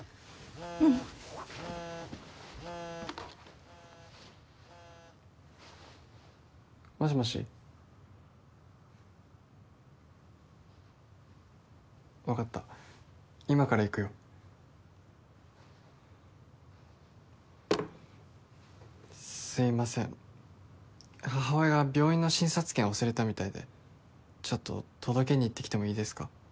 うんもしもし分かった今から行くよすいません母親が病院の診察券忘れたみたいでちょっと届けに行ってきてもいいですか？